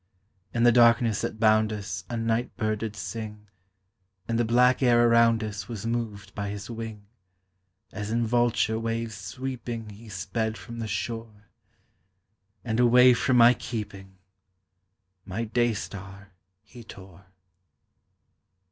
In the darkness that bound us A night bird did sing, And the black air around us Was moved by his wing, As in vulture waves sweeping He sped from the shore, And away from my keeping My Day star he tore.